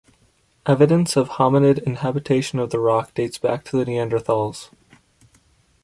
Evidence of hominid inhabitation of the Rock dates back to the Neanderthals.